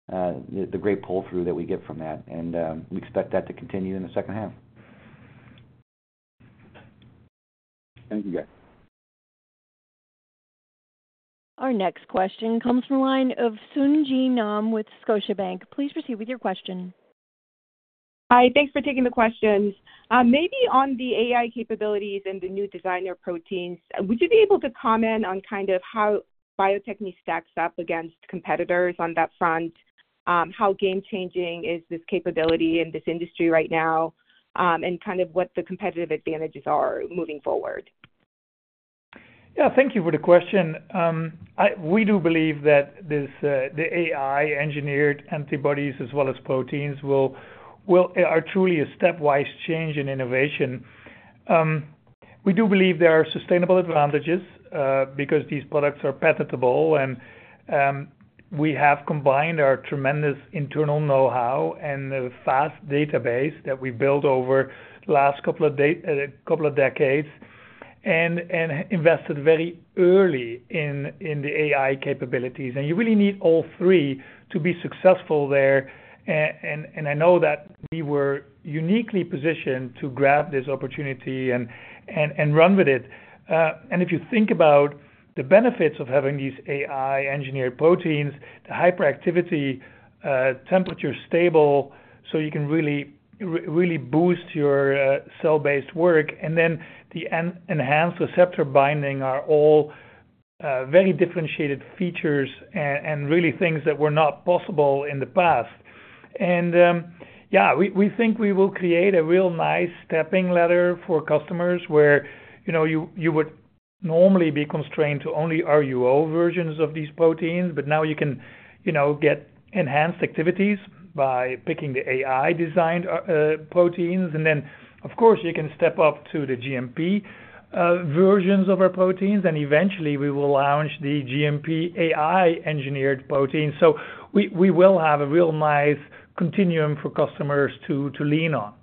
the great pull-through that we get from that. And we expect that to continue in the second half. Thank you, guys. Our next question comes from the line of Sung Ji Nam with Scotiabank. Please proceed with your question. Hi. Thanks for taking the questions. Maybe on the AI capabilities and the new designer proteins, would you be able to comment on kind of how biotech stacks up against competitors on that front? How game-changing is this capability in this industry right now and kind of what the competitive advantages are moving forward? Yeah. Thank you for the question. We do believe that the AI-engineered antibodies as well as proteins are truly a stepwise change in innovation. We do believe there are sustainable advantages because these products are patentable, and we have combined our tremendous internal know-how and the fast database that we built over the last couple of decades and invested very early in the AI capabilities, and you really need all three to be successful there, and I know that we were uniquely positioned to grab this opportunity and run with it, and if you think about the benefits of having these AI-engineered proteins, the hyperactivity, temperature-stable, so you can really boost your cell-based work, and then the enhanced receptor binding are all very differentiated features and really things that were not possible in the past. And yeah, we think we will create a real nice stepping ladder for customers where you would normally be constrained to only RUO versions of these proteins, but now you can get enhanced activities by picking the AI-designed proteins. And then, of course, you can step up to the GMP versions of our proteins. And eventually, we will launch the GMP AI-engineered protein. So we will have a real nice continuum for customers to lean on.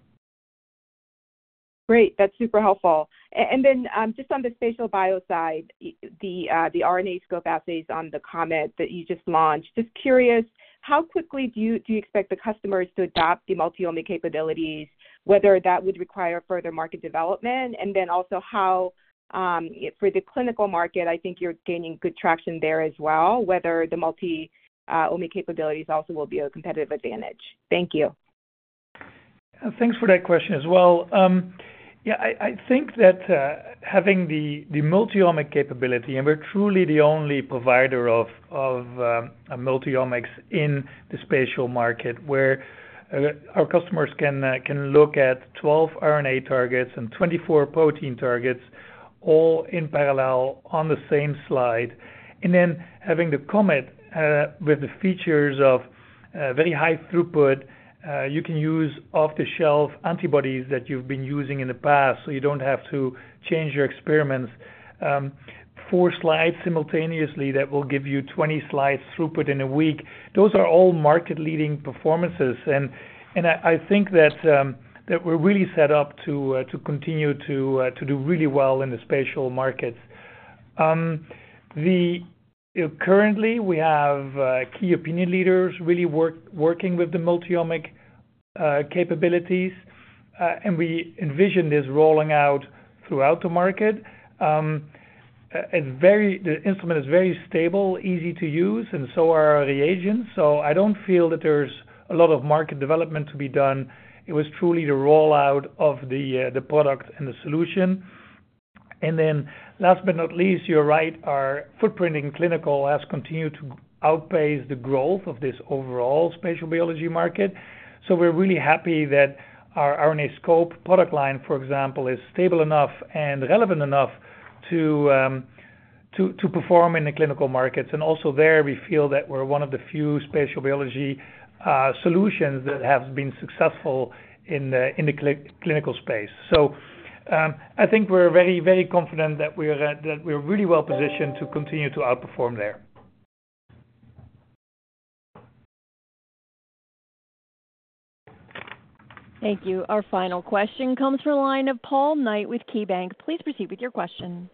Great. That's super helpful. And then just on the spatial bio side, the RNAscope assays on the COMET that you just launched, just curious, how quickly do you expect the customers to adopt the multiomic capabilities, whether that would require further market development? And then also how for the clinical market, I think you're gaining good traction there as well, whether the multi-omic capabilities also will be a competitive advantage. Thank you. Thanks for that question as well. Yeah. I think that having the multiomic capability, and we're truly the only provider of multi-omics in the spatial market where our customers can look at 12 RNA targets and 24 protein targets, all in parallel on the same slide. And then having the COMET with the features of very high throughput, you can use off-the-shelf antibodies that you've been using in the past, so you don't have to change your experiments. Four slides simultaneously that will give you 20 slides throughput in a week. Those are all market-leading performances. And I think that we're really set up to continue to do really well in the spatial markets. Currently, we have key opinion leaders really working with the multi-omic capabilities, and we envision this rolling out throughout the market. The instrument is very stable, easy to use, and so are our reagents. So I don't feel that there's a lot of market development to be done. It was truly the rollout of the product and the solution. And then last but not least, you're right, our footprint in clinical has continued to outpace the growth of this overall spatial biology market. So we're really happy that our RNAscope product line, for example, is stable enough and relevant enough to perform in the clinical markets. And also there, we feel that we're one of the few spatial biology solutions that have been successful in the clinical space. So I think we're very, very confident that we're really well positioned to continue to outperform there. Thank you. Our final question comes from the line of Paul Knight with KeyBanc. Please proceed with your question.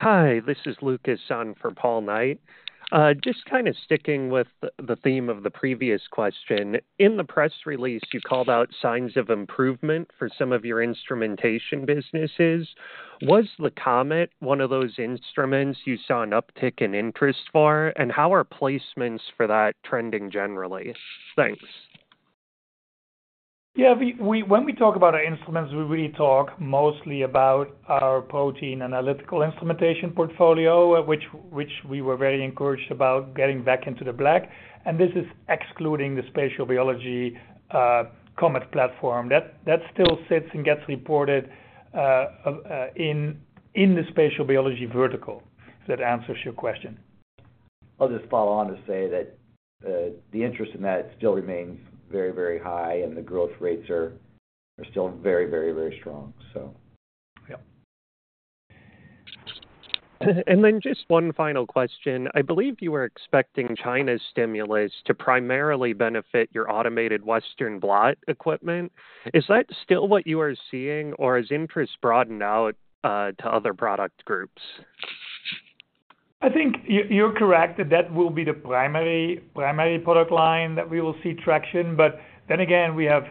Hi. This is Lucas on for Paul Knight. Just kind of sticking with the theme of the previous question, in the press release, you called out signs of improvement for some of your instrumentation businesses. Was the COMET one of those instruments you saw an uptick in interest for? And how are placements for that trending generally? Thanks. Yeah. When we talk about our instruments, we really talk mostly about our protein analytical instrumentation portfolio, which we were very encouraged about getting back into the black. And this is excluding the spatial biology COMET platform. That still sits and gets reported in the spatial biology vertical. If that answers your question. I'll just follow on to say that the interest in that still remains very, very high, and the growth rates are still very, very, very strong, so. Yeah. And then just one final question. I believe you were expecting China's stimulus to primarily benefit your automated Western blot equipment. Is that still what you are seeing, or has interest broadened out to other product groups? I think you're correct that that will be the primary product line that we will see traction. But then again, we have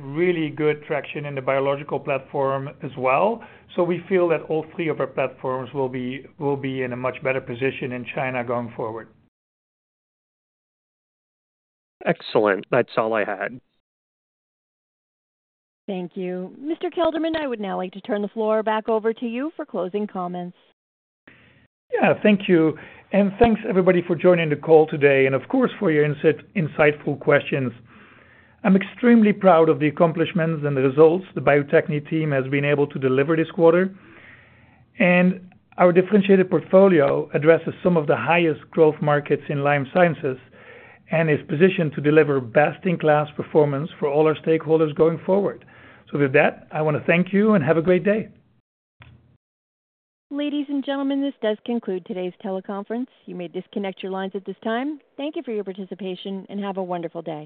really good traction in the biological platform as well. So we feel that all three of our platforms will be in a much better position in China going forward. Excellent. That's all I had. Thank you. Mr. Kelderman, I would now like to turn the floor back over to you for closing comments. Yeah. Thank you. And thanks, everybody, for joining the call today and, of course, for your insightful questions. I'm extremely proud of the accomplishments and the results the biotech team has been able to deliver this quarter. Our differentiated portfolio addresses some of the highest growth markets in life sciences and is positioned to deliver best-in-class performance for all our stakeholders going forward. With that, I want to thank you and have a great day. Ladies and gentlemen, this does conclude today's teleconference. You may disconnect your lines at this time. Thank you for your participation and have a wonderful day.